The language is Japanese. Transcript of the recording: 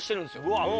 「うわっ！」